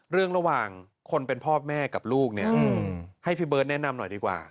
ระหว่างคนเป็นพ่อแม่กับลูกเนี่ยให้พี่เบิร์ตแนะนำหน่อยดีกว่า